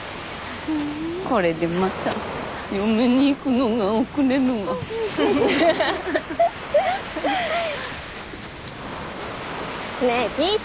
「これでまた嫁に行くのが遅れるわ」ねえ聞いてよ